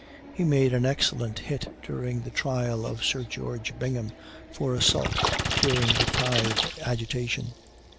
He made an excellent hit during the trial of Sir George Bingham, for assault, during the tithe agitation.